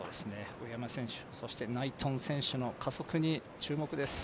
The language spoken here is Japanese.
上山選手ナイトン選手の加速に注目です。